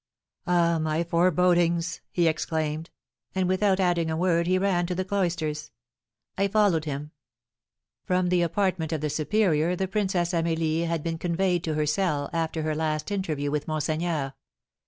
"Ah, my forebodings!" he exclaimed; and, without adding a word, he ran to the cloisters. I followed him. From the apartment of the superior, the Princess Amelie had been conveyed to her cell, after her last interview with monseigneur.